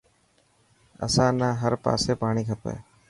اسان نا هر پاسي پاڻي کپي.